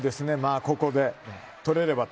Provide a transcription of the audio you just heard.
ここでとれればと。